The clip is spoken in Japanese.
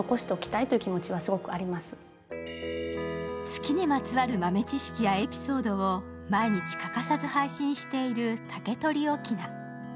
月にまつわる豆知識やエピソードを毎日欠かさず配信しているタケトリ・オキナ。